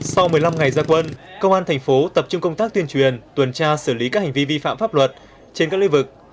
sau một mươi năm ngày gia quân công an thành phố tập trung công tác tuyên truyền tuần tra xử lý các hành vi vi phạm pháp luật trên các lưu vực